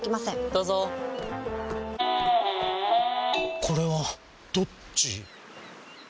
どうぞこれはどっち？